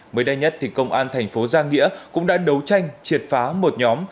mới đây nhất công an thành phố giang nghĩa cũng đã đấu tranh triệt phá một nhóm